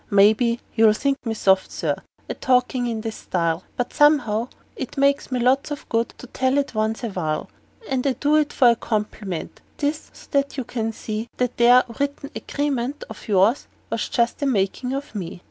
Maybe you'll think me soft, Sir, a talkin' in this style, But somehow it does me lots of good to tell it once in a while; And I do it for a compliment 'tis so that you can see That that there written agreement of yours was just the makin' of me.